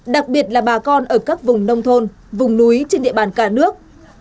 đặc biệt là bà con ở các vùng nông thôn vùng núi trên địa bàn cả nước